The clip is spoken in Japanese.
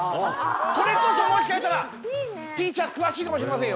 これこそもしかしたらティーチャー詳しいかもしれませんよ